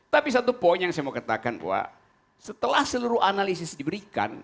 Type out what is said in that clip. tapi satu poin yang saya mau katakan bahwa setelah seluruh analisis diberikan